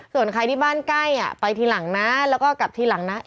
ส่วนใครที่บ้านใกล้อ่ะไปทีหลังนะแล้วก็กลับทีหลังนะ